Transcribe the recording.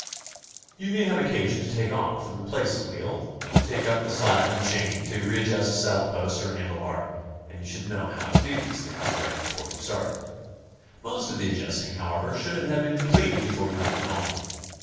You may have occasion to take off and replace a wheel, to take up the slack in the chain, to readjust saddle post or handle bar, and you should know how to do these things right before you start. Most of the adjusting, however, should have been completed before you leave home.